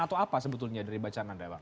atau apa sebetulnya dari bacaan anda bang